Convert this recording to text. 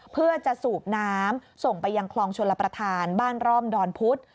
เพื่อจะสูบน้ำส่งไปยังคลองชลประธานบ้านร่อมดอนพุธ